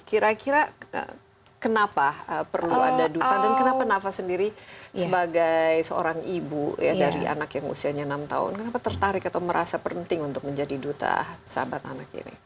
kira kira kenapa perlu ada duta dan kenapa nafas sendiri sebagai seorang ibu dari anak yang usianya enam tahun kenapa tertarik atau merasa penting untuk menjadi duta sahabat anak ini